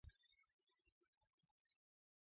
مریدانو یې د ښرا او زور تبليغ کاوه.